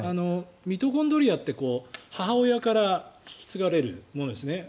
ミトコンドリアって母親から引き継がれるものですね